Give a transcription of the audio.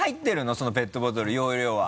そのペットボトル容量は。